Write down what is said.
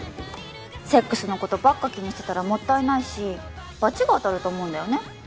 セックスのことばっか気にしてたらもったいないしバチが当たると思うんだよね